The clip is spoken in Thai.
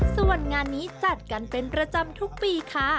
ส่วนงานนี้จัดกันเป็นประจำทุกปีค่ะ